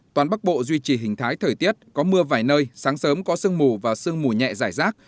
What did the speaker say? toàn bắc bộ duy trì hình thái thời tiết có mưa vài nơi sáng sớm có sương mù và sương mù nhẹ giải rác